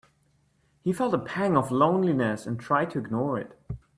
He felt a pang of loneliness and tried to ignore it.